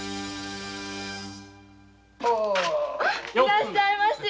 いらっしゃいまし。